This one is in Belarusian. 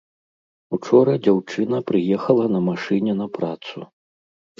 Учора дзяўчына прыехала на машыне на працу.